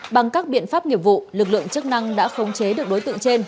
bằng các biện pháp nghiệp vụ lực lượng chức năng đã khống chế được đối tượng trên